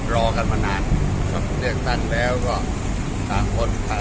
รอกันมานานกับเลือกตั้งแล้วก็ต่างคนค่ะ